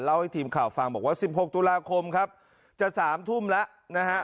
ให้ทีมข่าวฟังบอกว่า๑๖ตุลาคมครับจะ๓ทุ่มแล้วนะฮะ